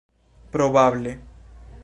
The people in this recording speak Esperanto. probable